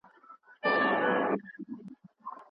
ځانګړې ډلې ته د پهلوانۍ ښوونه ورکول کيده.